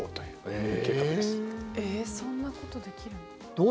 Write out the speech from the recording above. えーそんなことできるんだ。